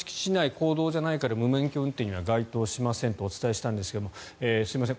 公道じゃないから無免許運転には該当しませんとお伝えしたんですがすみません